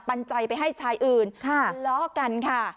ปัญญาไปให้ชายอื่นทะเลาะกันค่ะ